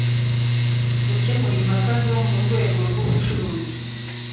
gukemura impaka zo mu rwego rw ubucuruzi